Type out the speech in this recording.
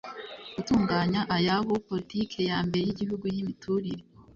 Gutunganya ayabo poritiki ya mbere y igihugu y imiturire